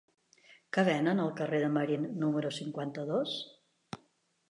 Què venen al carrer de Marín número cinquanta-dos?